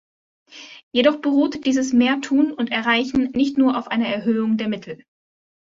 Jedoch beruht dieses mehr tun und erreichen nicht nur auf einer Erhöhung der Mittel.